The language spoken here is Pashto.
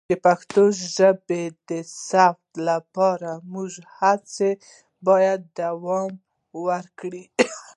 د پښتو ژبې د ثبت لپاره زموږ هڅې باید دوام وکړي.